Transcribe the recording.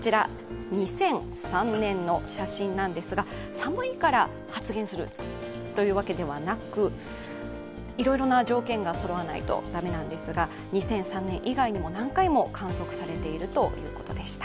寒いから発現するというわけではなく、いろいろな条件がそろわないと駄目なんですが２００３年以外にも、何回も観測されているということでした。